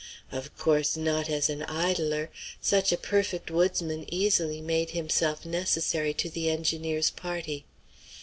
Of course, not as an idler; such a perfect woodsman easily made himself necessary to the engineer's party.